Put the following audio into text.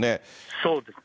そうですね。